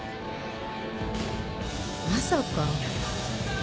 まさか。